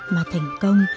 mà thành công